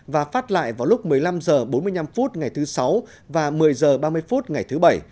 và phát lại vào lúc một mươi năm h bốn mươi năm ngày thứ sáu và một mươi h ba mươi phút ngày thứ bảy